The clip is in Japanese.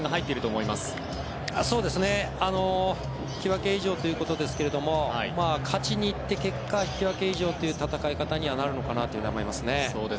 そうですね、引き分け以上ということですけども勝ちに行って結果、引き分け以上という戦い方にはなるのかなと思います。